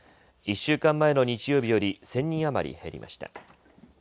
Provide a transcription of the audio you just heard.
１週間前の日曜日より１０００人余り減りました。